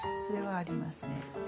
それはありますね。